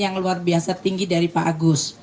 yang luar biasa tinggi dari pak agus